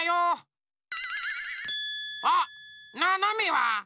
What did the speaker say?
あっななめは？